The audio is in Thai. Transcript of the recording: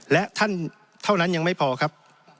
และท่านเท่านั้นยังไม่พอครับ